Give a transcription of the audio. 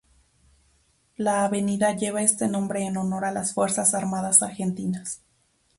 La avenida lleva este nombre en honor las Fuerzas Armadas argentinas.